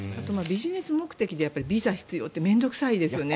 ビジネス目的でビザが必要って面倒臭いですよね。